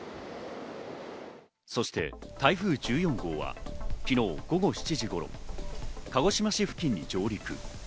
そして台風１４号は、昨日午後７時頃、鹿児島市付近に上陸。